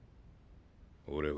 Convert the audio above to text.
俺は。